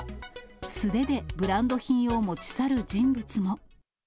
素手でブランド品を持ち去る人物も。